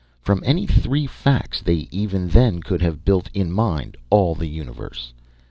From any three facts they even then could have built in mind all the Universe.